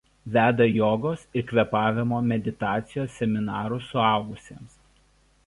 Veda jogos ir kvėpavimo meditacijos seminarus suaugusiems.